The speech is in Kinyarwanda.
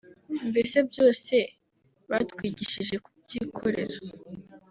mbese byose batwigishije kubyikorera